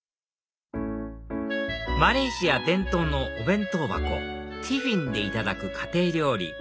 マレーシア伝統のお弁当箱ティフィンでいただく家庭料理